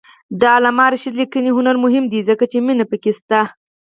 د علامه رشاد لیکنی هنر مهم دی ځکه چې مینه پکې شته.